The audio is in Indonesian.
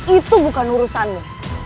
itu bukan urusanmu